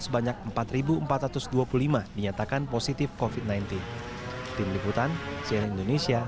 sebanyak empat empat ratus dua puluh lima dinyatakan positif covid sembilan belas